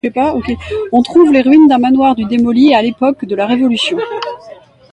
On trouve les ruines d'un manoir du démoli à l'époque de la Révolution.